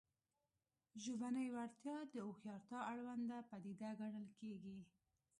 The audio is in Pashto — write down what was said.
ژبنۍ وړتیا د هوښیارتیا اړونده پدیده ګڼل کېږي